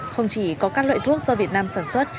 không chỉ có các loại thuốc do việt nam sản xuất